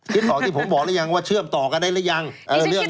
ต่อที่ผมบอกหรือยังว่าเชื่อมต่อกันได้หรือยัง